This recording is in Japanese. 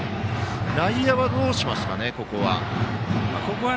内野はどうしますかね、ここは。